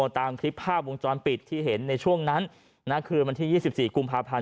ตามคลิปภาพวงจรปิดที่เห็นในช่วงนั้นณคืนวันที่๒๔กุมภาพันธ